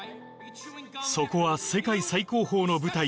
そこは世界最高峰の舞台